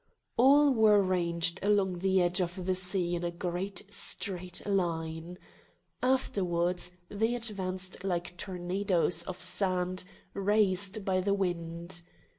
All were ranged along the edge of the sea in a great straight line. Afterwards they advanced like tornadoes of sand raised by the wind.